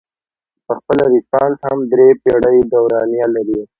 پخپله رنسانس هم درې پیړۍ دورانیه لرله.